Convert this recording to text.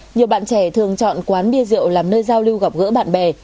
nhiều bạn trẻ thường chọn quán bia rượu làm nơi giao lưu gặp gỡ bạn bè